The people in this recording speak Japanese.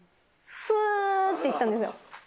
すーって行ったんですよ。